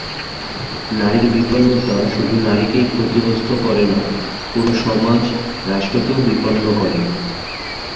নারীর বিপন্নতা শুধু নারীকেই ক্ষতিগ্রস্ত করে না, পুরো সমাজ-রাষ্ট্রকেও বিপন্ন করে।